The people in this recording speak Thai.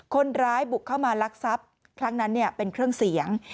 คนร้ายบุกเข้ามาลักทรัพย์ครั้งนั้นเป็นเครื่องเสียง